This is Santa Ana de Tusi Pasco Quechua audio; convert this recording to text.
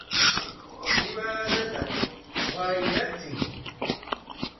¡siwarata wayratsiy!